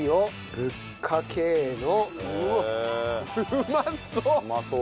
うまそう！